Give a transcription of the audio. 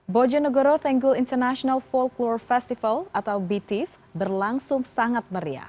bojo negoro tenggul international folklore festival atau bitif berlangsung sangat meriah